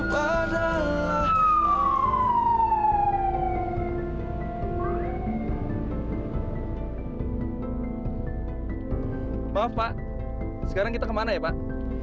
waduh maaf pak sekarang kita kemana ya pak